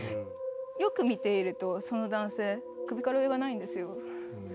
よく見ているとその男性首から上がないんですよ。